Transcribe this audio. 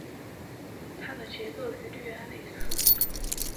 它的结构与氯胺类似。